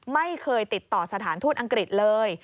ไม่เคยติดต่อสถานทูตอังกฤษเลย